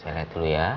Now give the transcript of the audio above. saya liat dulu ya